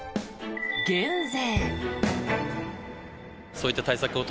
減税。